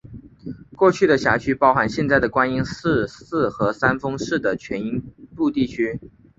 过去的辖区包含现在的观音寺市和三丰市的全部地区。